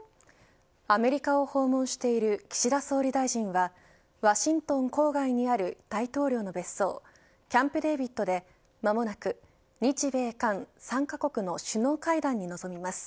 アメリカを訪問している岸田総理大臣はワシントン郊外にある大統領の別荘キャンプデービットで間もなく日米韓３カ国の首脳会談に臨みます。